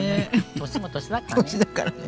年も年だからね。